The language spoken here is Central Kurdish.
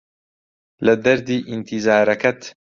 لە دەردی ئینتیزارەکەت